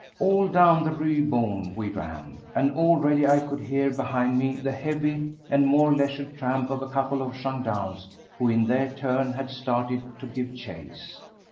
All down the Rue Beaune we ran, and already I could hear behind me the heavy and more leisured tramp of a couple of gendarmes who in their turn had started to give chase.